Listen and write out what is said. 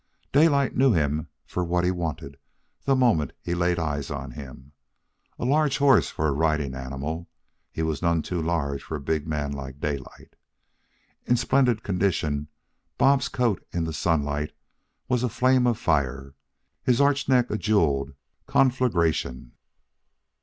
Daylight knew him for what he wanted the moment he laid eyes on him. A large horse for a riding animal, he was none too large for a big man like Daylight. In splendid condition, Bob's coat in the sunlight was a flame of fire, his arched neck a jeweled conflagration.